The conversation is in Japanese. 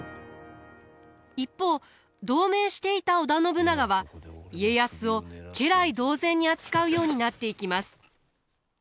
一方同盟していた織田信長は家康を家来同然に扱うようになっていきます。